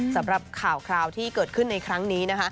สำหรับข่าวคราวที่เกิดขึ้นในครั้งนี้นะคะ